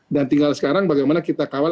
dan tinggal sekarang bagaimana kita kawal